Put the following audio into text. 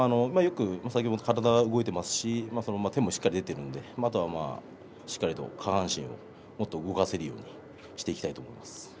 体が動いていますし手もしっかり出ているのであとはしっかりと下半身をもっと動かせるようにしていきたいと思います。